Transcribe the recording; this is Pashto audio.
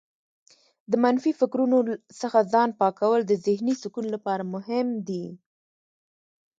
د منفي فکرونو څخه ځان پاکول د ذهنې سکون لپاره مهم دي.